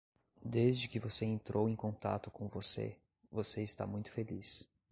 Desde que você entrou em contato com você, você está muito feliz.